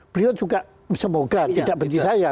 beliau juga semoga tidak benci saya